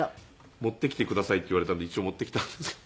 「持ってきてください」って言われたんで一応持ってきたんですけど。